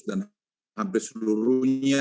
dan hampir seluruhnya